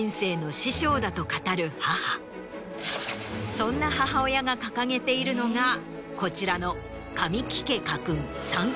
そんな母親が掲げているのがこちらの。